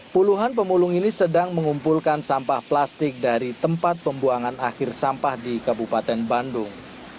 puluhan pemulung ini sedang mengumpulkan sampah plastik dari tempat pembuangan akhir sampah di kabupaten bandung